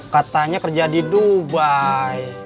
katanya kerja di dubai